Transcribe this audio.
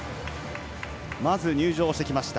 まず、入場してきました。